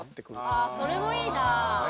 ああそれもいいな。